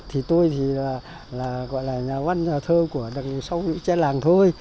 thì tôi thì là gọi là nhà văn nhà thơ của đằng sau những che làng thôi